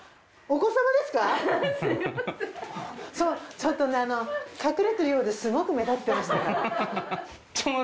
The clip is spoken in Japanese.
ちょっとねあの隠れてるようですごく目立ってましたから。